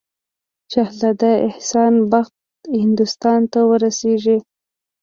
شهزاده احسان بخت هندوستان ته ورسیږي.